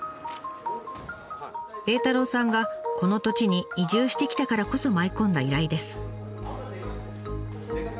栄太郎さんがこの土地に移住してきたからこそ舞い込んだ依頼です。